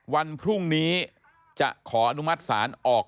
วันพรุ่งนี้จะขออนุมัติศาลออก